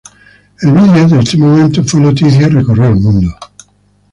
El vídeo de ese momento fue noticia y recorrió el mundo.